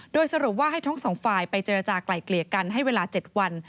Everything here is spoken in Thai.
โดยสรุปว่าให้ทั้งสองฝ่ายไปเจรจากลายเกลี่ยกันให้เวลา๗วัน